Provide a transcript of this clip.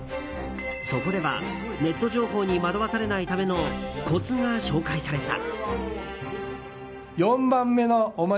そこではネット情報に惑わされないためのコツが紹介された。